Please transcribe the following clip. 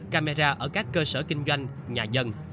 camera ở các cơ sở kinh doanh nhà dân